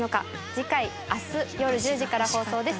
次回明日夜１０時から放送です。